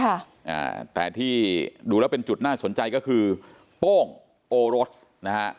อ่าแต่ที่ดูแล้วเป็นจุดน่าสนใจก็คือโป้งโอรสนะฮะ